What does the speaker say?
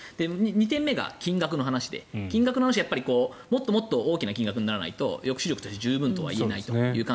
２点目が金額で金額はもっと大きな金額にならないと抑止力として十分とは言えないと。